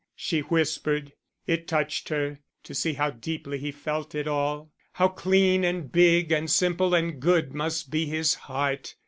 she whispered. It touched her to see how deeply he felt it all. How clean and big and simple and good must be his heart!